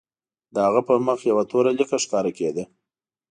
د هغه په مخ یوه توره لیکه ښکاره کېده